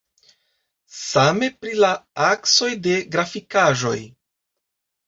Same pri la aksoj de grafikaĵoj.